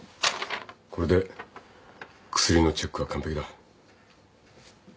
これで薬のチェックは完ぺきだ。